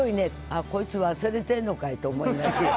あ、こいつ忘れてんのかい！って思いますよ。